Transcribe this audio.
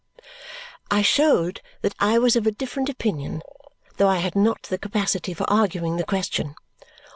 I showed that I was of a different opinion, though I had not the capacity for arguing the question.